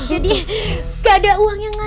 jadi gak ada uang yang nganjur